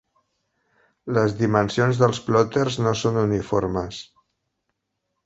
Les dimensions dels plòters no són uniformes.